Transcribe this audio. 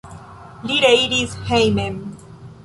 Li reiris hejmen.